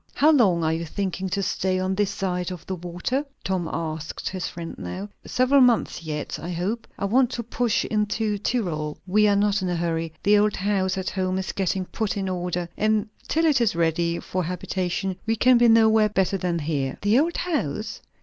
"How long are you thinking to stay on this side of the water?" Tom asked his friend now. "Several months yet, I hope. I want to push on into Tyrol. We are not in a hurry. The old house at home is getting put into order, and till it is ready for habitation we can be nowhere better than here." "The old house?